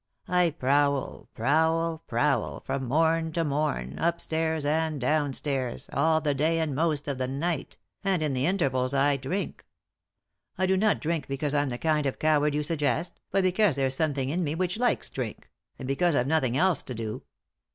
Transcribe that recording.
I prowl, prowl, prowl, from mom to morn, up* stairs and downstairs, all the day and most of the night ; and, in the intervals, I drink. I do not drink because I'm the kind of coward you suggest, but because there's something in me which likes drink ; and because I've nothing else to do."